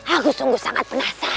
aku sungguh sangat penasaran